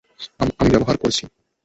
আমি ব্যবহার করেছি।